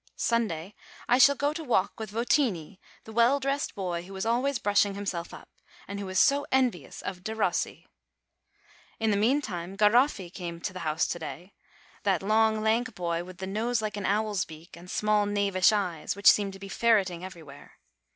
Sunday I shall go to walk \vith Votini, the well dressed boy who is always brushing himself up, and who is so envious of Derossi. In the meantime, Garoffi. came to the house to day, that long, lank boy, with the nose like an owl's beak, and small, knavish eyes, which seem to be ferreting everywhere.